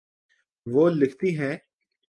وہ لکھتی ہیں